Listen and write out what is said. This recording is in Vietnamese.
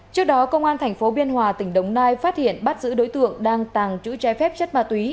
trước đó công an tp biên hòa tỉnh đồng nai phát hiện bắt giữ đối tượng đang tàng chữ trái phép chất ma túy